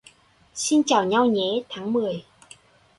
Xin chào nhau nhé tháng mười